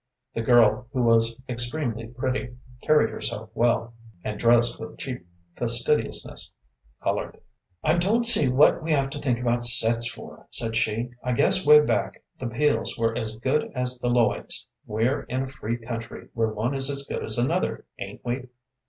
The girl, who was extremely pretty, carried herself well, and dressed with cheap fastidiousness, colored. "I don't see what we have to think about sets for," said she. "I guess way back the Peels were as good as the Lloyds. We're in a free country, where one is as good as another, ain't we?"